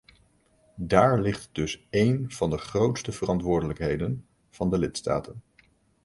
Daar ligt dus één van de grootste verantwoordelijkheden van de lidstaten.